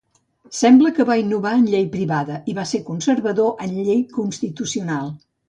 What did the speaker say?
Sembla que va innovar en llei privada i va ser conservador en llei constitucional.